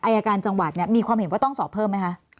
อายการจังหวัดเนี่ยมีความเห็นว่าต้องสอบเพิ่มไหมคะ